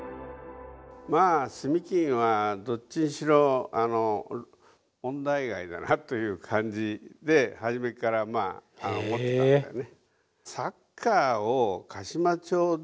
まあ住金はどっちにしろ問題外だなという感じで初めから思ってたんだよね。